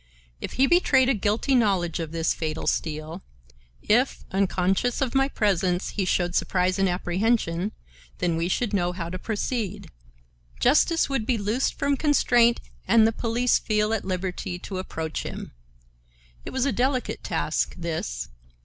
If he betrayed a guilty knowledge of this fatal steel; if, unconscious of my presence, he showed surprise and apprehension,—then we should know how to proceed; justice would be loosed from constraint and the police feel at liberty to approach him. It was a delicate task, this.